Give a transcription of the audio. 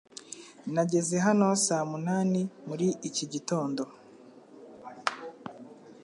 Nageze hano saa munani muri iki gitondo.